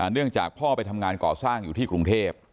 เนื่องจากพ่อไปทำงานก่อสร้างอยู่ที่กรุงเทพ